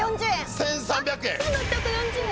１３００円。